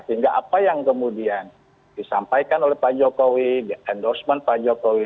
sehingga apa yang kemudian disampaikan oleh pak jokowi endorsement pak jokowi